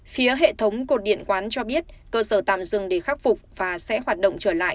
phía hệ thống cột điện quán cho biết cơ sở tạm dừng để khắc phục và sẽ hoạt động trở lại